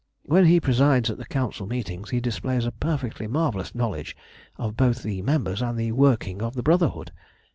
When he presides at the Council meetings he displays a perfectly marvellous knowledge of both the members and the working of the Brotherhood.